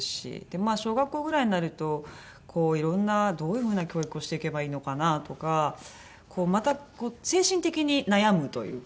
まあ小学校ぐらいになるとこういろんなどういう風な教育をしていけばいいのかな？とかまた精神的に悩むというか。